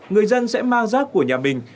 người dân sẽ mang rác của nhà mình